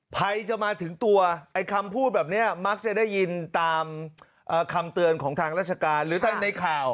ภัยจะมาถึงตัวไอ้คำพูดแบบนี้มักจะได้ยินตามคำเตือนของทางราชการหรือทางในข่าว